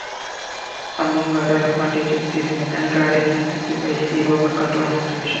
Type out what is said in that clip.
Among other advantages, this mechanical arrangement simplifies the Robot control arm solution.